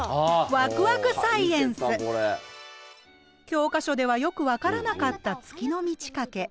教科書ではよく分からなかった月の満ち欠け。